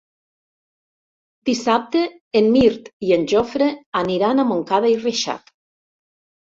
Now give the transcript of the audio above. Dissabte en Mirt i en Jofre aniran a Montcada i Reixac.